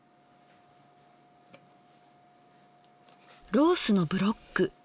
ロースのブロック。